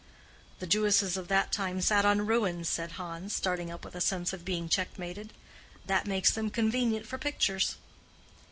"The Jewesses of that time sat on ruins," said Hans, starting up with a sense of being checkmated. "That makes them convenient for pictures."